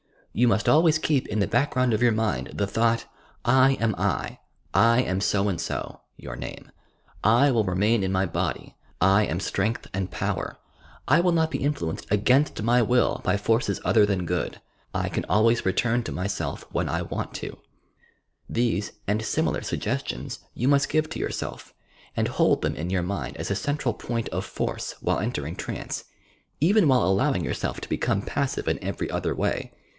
You muat always keep in the background of your mind the thought: — "I am I ... I am so and so (your name) ... I will remain in my body. ... I am strength and power ... I will not be influenced against my vill by forces other than good. ... I can always return to mj'self when I want to." These and similar suggestions you must give to yourself, and hold them in your mind as a central point of force while entering trance, even when allowing yourself to become passive in every other way.